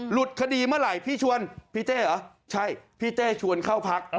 หลุดคดีเมื่อไหร่พี่ชวนพี่เจ้เหรอใช่พี่เต้ชวนเข้าพัก